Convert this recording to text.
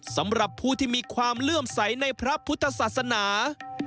สำหรับผู้ที่มีความเลื่อมใสในพระพุทธศาสนา